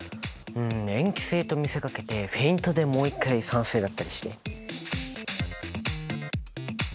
うん塩基性と見せかけてフェイントでもう一回酸性だったりして。